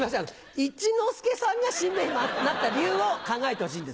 一之輔さんが新メンバーになった理由を考えてほしいんです。